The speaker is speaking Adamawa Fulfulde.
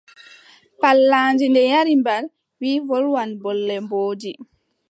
Pallaandi nde yari mbal, wiʼi wolwan bolle mboodi.